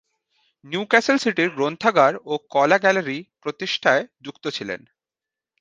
Newcastle সিটির গ্রন্থাগার ও কলা গ্যালারি প্রতিষ্ঠায় যুক্ত ছিলেন।